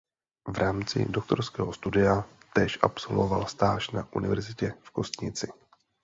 V rámci doktorského studia též absolvoval stáž na Univerzitě v Kostnici.